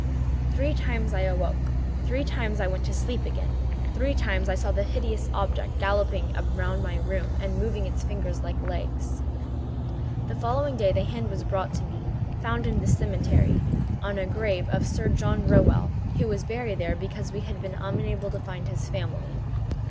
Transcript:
Three times I awoke, three times I went to sleep again; three times I saw the hideous object galloping round my room and moving its fingers like legs. "The following day the hand was brought me, found in the cemetery, on the grave of Sir John Rowell, who had been buried there because we had been unable to find his family.